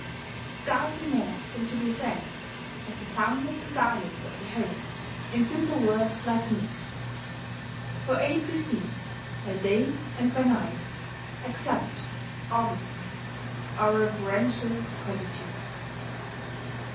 Scarcely more than to be thanked, as the founders and guardians of the home, in simple words like these: "For aid received, by day and by night, accept, August Ones, our reverential gratitude."...